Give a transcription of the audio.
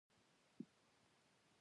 ګڼه ګوڼه او تنګ ویجاړ سړک و.